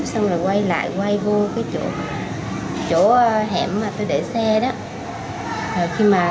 xong rồi quay lại quay vô cái chỗ hẻm mà tôi để xe đó